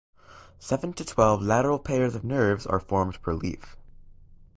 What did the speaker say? Seven to twelve lateral pairs of nerves are formed per leaf.